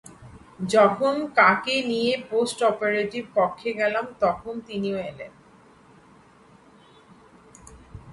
যখন কাকে নিয়ে পোস্ট অপারেটিভ কক্ষে গেলাম, তখন তিনিও এলেন?